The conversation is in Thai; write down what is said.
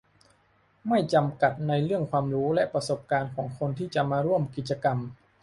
ไม่จำกัดในเรื่องความรู้และประสบการณ์ของคนที่จะมาร่วมกิจกรรม